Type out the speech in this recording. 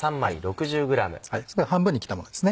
それを半分に切ったものです。